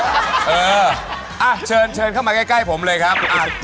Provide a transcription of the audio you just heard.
เออเชิญเชิญเข้ามาใกล้ผมเลยครับ